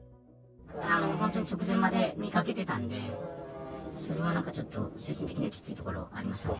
本当に直前まで見かけてたんで、それはなんかちょっと、精神的にはきついところはありますね。